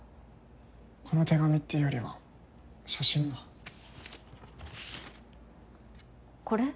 この手紙っていうよりは写真がこれ？